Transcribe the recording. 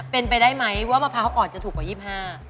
เป็นไปได้ไหมว่ามะพร้าวอ่อนจะถูกกว่า๒๕บาท